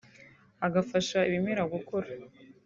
agafasha ibimera gukura